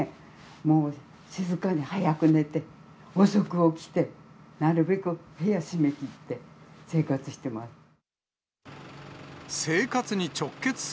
もう静かに早く寝て、遅く起きて、なるべく部屋閉めきって、生活してます。